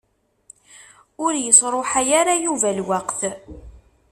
Ur yesṛuḥay ara Yuba lweqt.